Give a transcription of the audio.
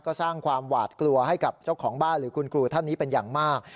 ก็สร้างความหวาดกลัวให้กับเจ้าของบ้านหรือคุณครูท่านนี้เป็นอย่างมาก